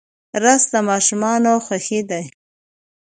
رس د ماشومانو خوښي ده